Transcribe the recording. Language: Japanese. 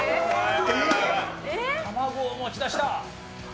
卵を持ち出した。